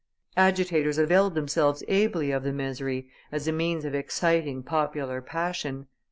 Agitators availed themselves ably of the misery as a means of exciting popular passion.